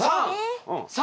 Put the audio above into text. ３！